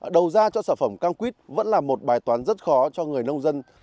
đầu ra cho sản phẩm cam quýt vẫn là một bài toán rất khó cho người nông dân